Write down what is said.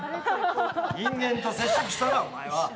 人間と接触したな、お前は。